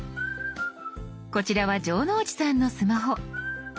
こちらは城之内さんのスマホ。